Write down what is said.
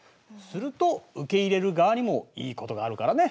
すると受け入れる側にもいいことがあるからね。